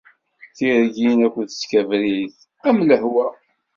Tirgin akked tkebrit, am lehwa.